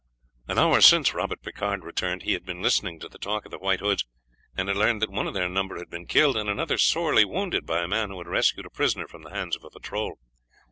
An hour since Robert Picard returned; he had been listening to the talk of the White Hoods, and had learned that one of their number had been killed and another sorely wounded by a man who had rescued a prisoner from the hands of a patrol.